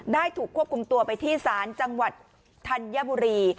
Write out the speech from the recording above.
ถูกควบคุมตัวไปที่ศาลจังหวัดธัญบุรี